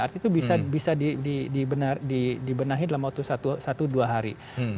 artinya itu bisa dibenahi dalam waktu satu dua hari